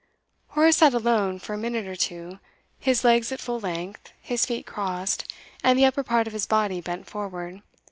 Horace sat alone for a minute or two, his legs at full length, his feet crossed, and the upper part of his body bent forward.